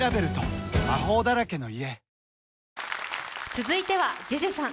続いてはＪＵＪＵさん。